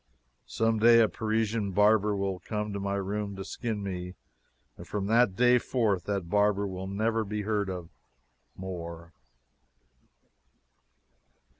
Someday a Parisian barber will come to my room to skin me, and from that day forth that barber will never be heard of more.